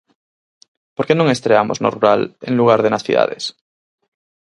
Por que non estreamos no rural en lugar de nas cidades?